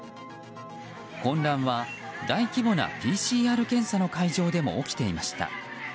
混乱は大規模なＰＣＲ検査の会場でも起きていました。